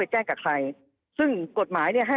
อ๋อนั่นสิ